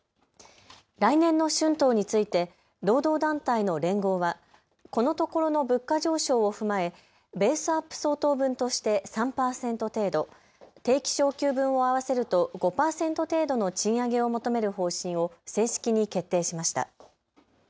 来年の春闘について労働団体の連合はこのところの物価上昇を踏まえベースアップ相当分として３％程度、定期昇給分を合わせると５％程度の賃上げを求める方針を正式に決定しました。